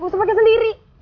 gue harus pake sendiri